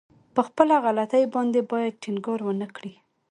په خپله غلطي باندې بايد ټينګار ونه کړي.